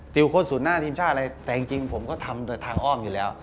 ส่วนหน้าทีมชาติอะไรแต่จริงผมก็ทำโดยทางอ้อมอยู่แล้ว